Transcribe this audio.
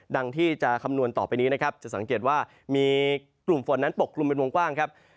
ที่จะคำนวณต่อไปนี้นะครับจะสังเกตว่ามีกลุ่มฝนนั้นปกกลุ่มเป็นวงกว้างครับ